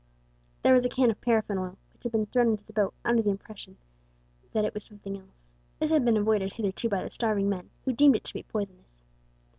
There was a can of paraffin oil, which had been thrown into the boat under the impression that it was something else. This had been avoided hitherto by the starving men, who deemed it to be poisonous.